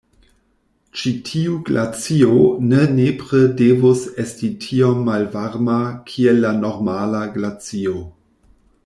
Ĉi tiu glacio ne nepre devus esti tiom malvarma kiel la normala glacio.